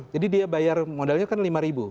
jadi dia bayar modalnya kan lima ribu